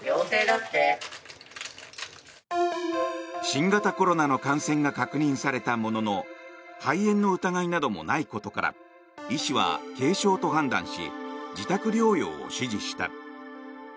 新型コロナの感染が確認されたものの肺炎の疑いなどもないことから医師は軽症と判断し自宅療養を指示した。